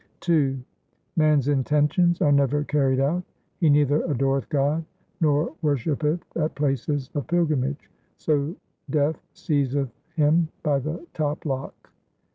II Man's intentions are never carried out ; He neither adoreth God, nor worshippeth at places of pilgrimage, 1 so Death seizeth him by the top lock.